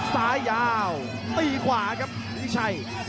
ซ้ายยาวตีขวาครับฤทธิชัย